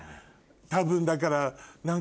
多分だから何か。